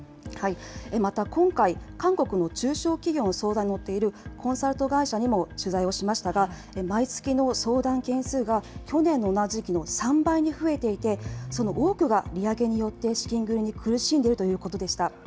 また今回、韓国の中小企業の相談に乗っているコンサルト会社にも取材をしましたが、毎月の相談件数が去年の同じ時期の３倍に増えていて、その多くが利上げによって資金繰りに苦しんでいるということでした。